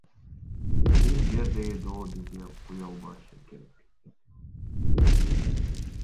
Бул жердеги доо бизге коюлбашы керек.